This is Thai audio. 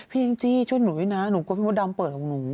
พี่ยังจี้ช่วยหนูนะหนูกลัวว่าพี่มดดำเปิดของหนู